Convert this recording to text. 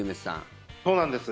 そうなんです。